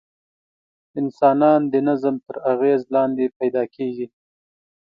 انسانان د نظم تر اغېز لاندې پیدا کېږي.